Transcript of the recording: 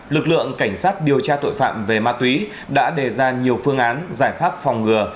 lực lượng cảnh sát điều tra tội phạm về ma túy đã đề ra nhiều phương án giải pháp phòng ngừa